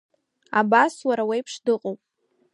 Абас уара уеиԥш дыҟоуп.